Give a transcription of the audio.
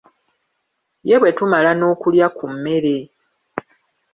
Ye bwe tumala n'okulya ku mmere!